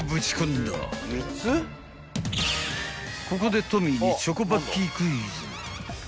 ［ここで］